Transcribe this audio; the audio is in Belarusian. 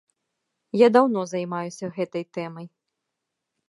Я даўно займаюся гэтай тэмай.